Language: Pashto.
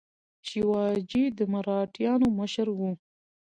شیواجي د مراتیانو مشر و.